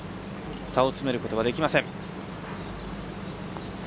差を詰めることはできません。